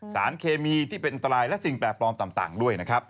สารเคมีที่เป็นอันตรายและสิ่งแปลกปลอมต่างด้วยนะครับ